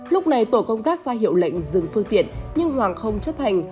lúc này tổ công tác ra hiệu lệnh dừng phương tiện nhưng hoàng không chấp hành